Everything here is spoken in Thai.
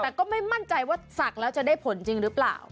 แต่ก็ไม่มั่นใจว่าศักดิ์แล้วจะได้ผลจริงหรือเปล่า